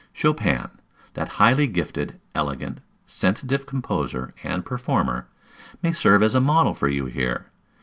Chopin, that highly gifted, elegant, sensitive composer and performer, may serve as a model for you here.